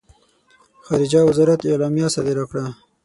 خارجه وزارت اعلامیه صادره کړه.